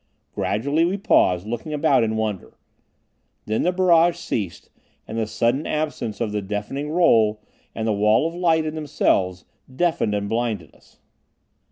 Gradually we paused, looking about in wonder. Then the barrage ceased, and the sudden absence of the deafening roll, and the wall of light, in themselves, deafened and blinded us.